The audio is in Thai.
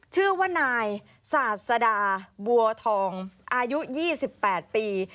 ชื่อว่านายศาสดาบัวทองอายุ๒๘ปี